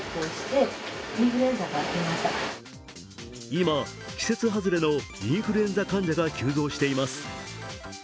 今、季節外れのインフルエンザ患者が急増しています。